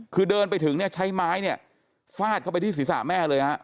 คือเดินไปถึงเนี่ยใช้ไม้เนี่ยฟาดเข้าไปที่ศีรษะแม่เลยฮะ